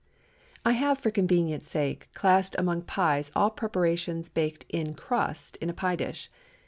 I have, for convenience sake, classed among pies all preparations baked in crust in a pie dish.